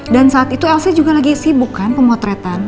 dan saat itu elsa juga lagi sibuk kan pemotretan